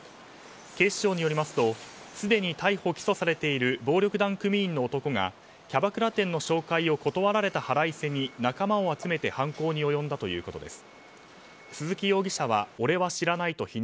警視庁によりますとすでに逮捕・起訴されている暴力団組員の男がキャバクラ店の紹介を断られた腹いせに仲間を集めて犯行に及んだということです。